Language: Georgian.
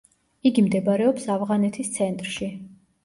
იგი მდებარეობს ავღანეთის ცენტრში.